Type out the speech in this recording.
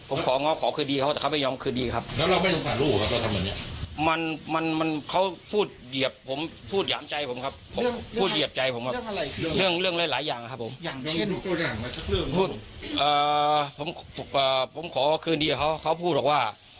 ผมขอคืนดีกับเขาเขาพูดหรอกว่า